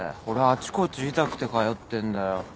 俺はあちこち痛くて通ってんだよ。